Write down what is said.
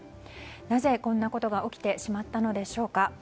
なぜ、こんなことが起きてしまったのでしょうか。